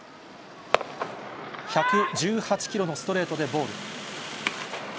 １１８キロのストレートでボール。